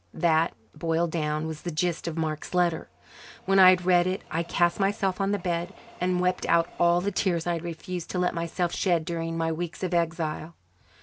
That, boiled down, was the gist of Mark's letter. When I had read it I cast myself on the bed and wept out all the tears I had refused to let myself shed during my weeks of exile.